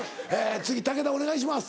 次武田お願いします。